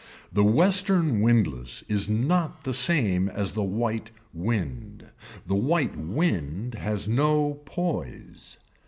The western windless is not the same as the white wind. The white wind has no poise.